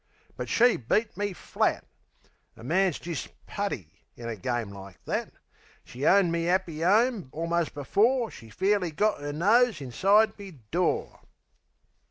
But she beat me flat! A man's jist putty in a game like that. She owned me 'appy 'ome almost before She fairly got 'er nose inside me door.